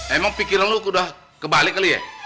emang pikiran lu udah kebalik kali ya